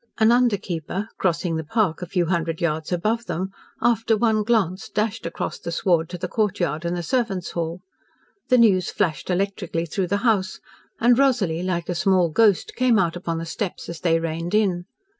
An under keeper, crossing the park a few hundred yards above them, after one glance, dashed across the sward to the courtyard and the servants' hall. The news flashed electrically through the house, and Rosalie, like a small ghost, came out upon the steps as they reined in.